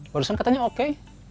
barusan katanya oke